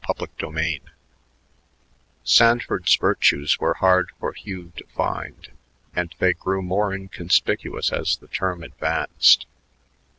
CHAPTER XVIII Sanford's virtues were hard for Hugh to find, and they grew more inconspicuous as the term advanced.